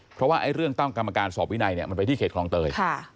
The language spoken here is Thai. เพราะว่าเรื่องตั้งกรรมการสอบวินัยเนี่ยมันไปที่เขตคลองเตย